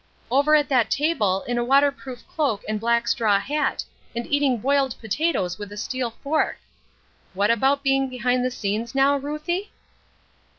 "Over at that table, in a water proof cloak and black straw hat, and eating boiled potatoes with a steel fork. What about being behind the scenes now, Ruthie?"